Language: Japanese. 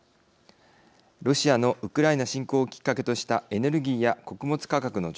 ロシアのウクライナ侵攻をきっかけとしたエネルギーや穀物価格の上昇。